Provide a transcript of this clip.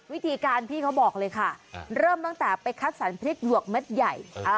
วิธีการพี่เขาบอกเลยค่ะเริ่มตั้งแต่ไปคัดสรรพริกหยวกเม็ดใหญ่